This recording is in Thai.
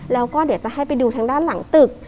แล้วก็เดี๋ยวจะให้ไปดูทางด้านหลังตึก